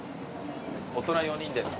大人４人です